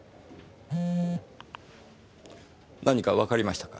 何かわかりましたか。